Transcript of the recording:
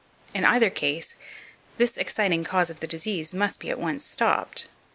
In either case, this exciting cause of the disease must be at once stopped.